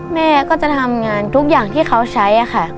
แม่ก็จะทำงานทุกอย่างที่เขาใช้ค่ะ